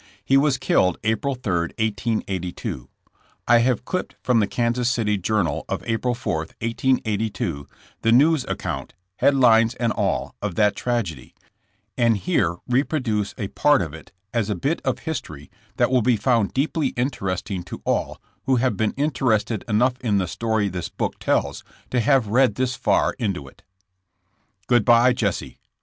He was killed April 3, 1882. I have clipped from the Kansas City Journal of April 4, 1882, the news ac count, head lines and all, of that tragedy, and here reproduce a part of it as a bit of history that will be found deeply interesting to all who have been inter ested enough in the story this book tells to have read this far into it: GOOD BYE, JESSE!